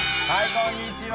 こんにちは。